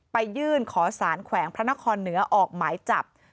ยื่นขอสารแขวงพระนครเหนือออกหมายจับ